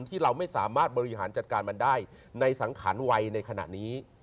ที่เราไม่สามารถบริหารจัดการมันได้ในสังขารวัยในขณะนี้